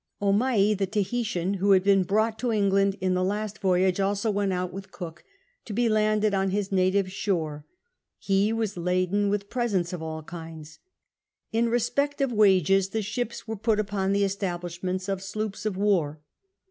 Omai, the Tahitian, who had been brought to England in the last voyage, also went with Cook, to bo landed on his native shore ; he was laden with presents of all kinds. In respect of wages the ships were put upon the establishments of sloops of war.